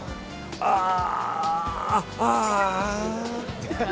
ああ。